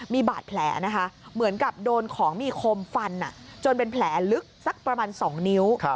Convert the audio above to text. มีบาดแผลนะคะเหมือนกับโดนของมีคมฟันจนเป็นแผลลึกสักประมาณ๒นิ้ว